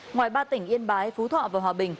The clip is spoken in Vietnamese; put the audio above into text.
ngoài ba tỉnh yên bái phú thọ và hòa bình